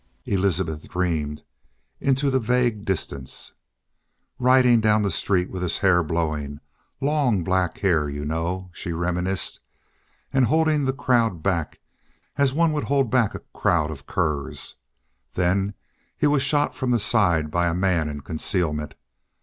Elizabeth dreamed into the vague distance. "Riding down the street with his hair blowing long black hair, you know," she reminisced. "And holding the crowd back as one would hold back a crowd of curs. Then he was shot from the side by a man in concealment.